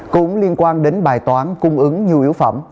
cũng liên quan đến bài toán cung ứng nhiều yếu phẩm